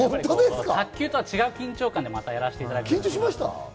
卓球とは違う緊張感でやらせていただきました。